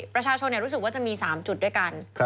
ประชาชนรู้สึกว่าจะมี๓จุดด้วยกัน